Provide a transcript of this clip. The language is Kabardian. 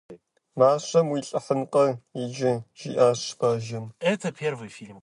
Мащэм уилӏыхьынкъэ иджы! - жиӏащ бажэм.